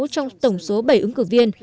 trong tổng số bảy ứng cử viên